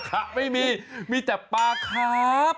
ปลาขะไม่มีมีแต่ปลาครัฟ